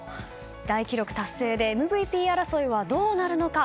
大記録達成でＭＶＰ争いはどうなるのか？